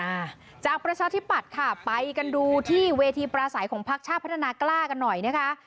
อ่าจากประชาธิปัตย์ค่ะไปกันดูที่เวทีปราศัยของพักชาติพัฒนากล้ากันหน่อยนะคะ